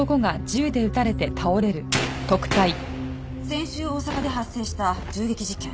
先週大阪で発生した銃撃事件。